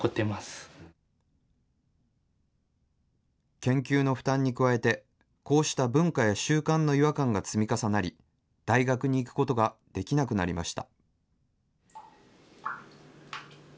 研究の負担に加えて、こうした文化や習慣の違和感が積み重なり、大学に行くことができなくなりました。